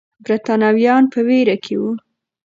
برتانويان په ویره کې وو.